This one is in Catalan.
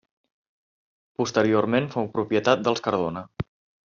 Posteriorment fou propietat dels Cardona.